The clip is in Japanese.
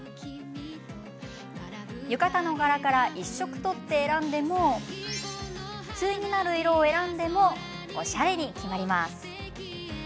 浴衣の柄から一色、取って選んでも対になる色を選んでもおしゃれに決まります。